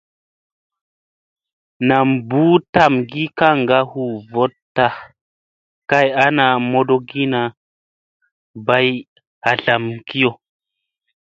Nam ɓuu tamgii kaŋga huu vooɗta kay ana modiina bay hatlamkiyo.